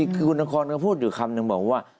คือคุณนครก็พูดอยู่คำนึงบอกว่า